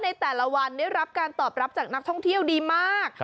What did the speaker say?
ในแต่ละวันได้รับการตอบรับจากนักท่องเที่ยวดีมาก